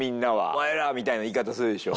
「お前ら！」みたいな言い方するでしょ？